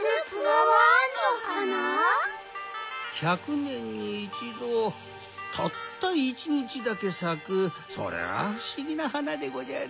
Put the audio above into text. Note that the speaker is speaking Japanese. １００ねんにいちどたったいちにちだけさくそれはふしぎな花でごじゃる。